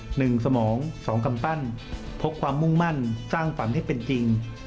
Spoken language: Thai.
หนึ่งสมองสองกำปั้นพกความมุ่งมั่นสร้างฝันให้เป็นจริง